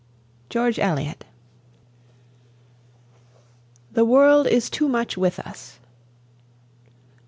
GEORGE ELIOT. THE WORLD IS TOO MUCH WITH US.